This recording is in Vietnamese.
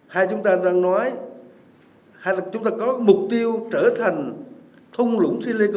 hay chúng ta đang nói hay là chúng ta có mục tiêu trở thành thung lũng silicon của việt nam